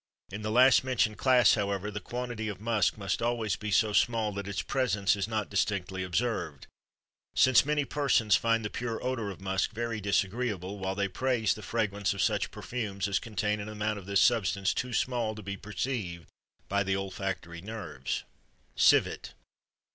In the last mentioned class, however, the quantity of musk must always be so small that its presence is not distinctly observed, since many persons find the pure odor of musk very disagreeable, while they praise the fragrance of such perfumes as contain an amount of this substance too small to be perceived by the olfactory nerves. CIVET.